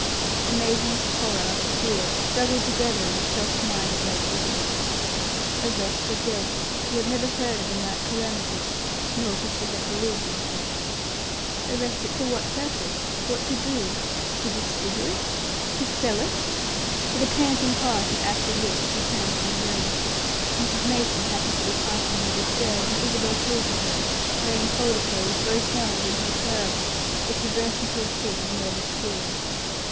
Amazement, horror, fear, struggled together in the shocked mind of Lady Isabel. Arrest the dead. She had never heard of a like calamity: nor could she have believed in such. Arrest it for what purpose? What to do? To disfigure it? to sell it? With a panting heart and ashy lips, she turned from the room. Mrs. Mason happened to be passing near the stairs, and Isabel flew to her, laying hold of her with both hands, in her terror, as she burst into a fit of nervous tears.